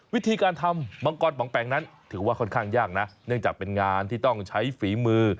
วิธีการทำมังกรปองแปงนั้นถือว่าค่อนข้างยากนะเนื่องจากเป็นงานที่ต้องใช้ฝีมือ